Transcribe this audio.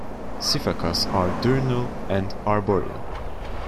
Sifakas are diurnal and arboreal.